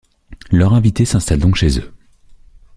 Leur invité s'installe donc chez eux.